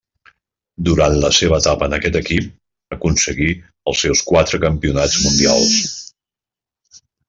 Durant la seva etapa en aquest equip, aconseguí els seus quatre campionats mundials.